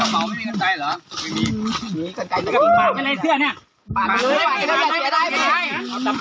ต้องหาทางหาทางไปสักคนหนึ่งเออ